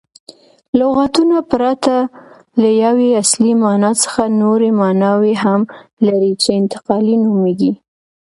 لغتونه پرته له یوې اصلي مانا څخه نوري ماناوي هم لري، چي انتقالي نومیږي.